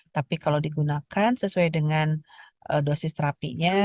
tapi kalau digunakan sesuai dengan dosis terapinya